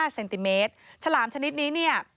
เซนติเมตรฉลามชนิดนี้เนี่ย